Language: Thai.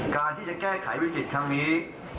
การที่จะแก้ไขวิกฤตครั้งนี้